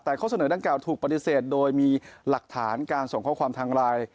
แต่ข้อเสนอดังกล่าวถูกปฏิเสธโดยมีหลักฐานการส่งข้อความทางไลน์